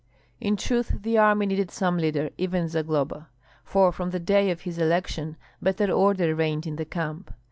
In truth, the army needed some leader, even Zagloba; for from the day of his election better order reigned in the camp.